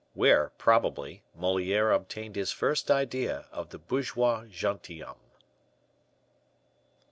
Where, Probably, Moliere Obtained His First Idea of the Bourgeois Gentilhomme.